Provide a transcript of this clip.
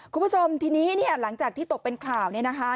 คุณผู้ชมทีนี้เนี่ยหลังจากที่ตกเป็นข่าวเนี่ยนะคะ